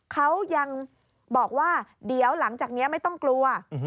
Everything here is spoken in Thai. เขายังบอกว่าเดี๋ยวหลังจากนี้ไม่ต้องกลัว